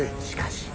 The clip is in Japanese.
しかし。